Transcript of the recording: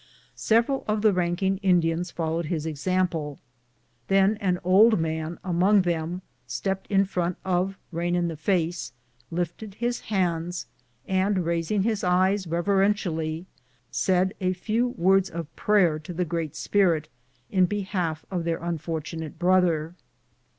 Several of the ranking Indians followed his example; then an old man among them stepped in front of liain in the face, lifted his hands, and raising his eyes reverentially said a few words of prayer to the Great Spirit in behalf of their unfortunate brother.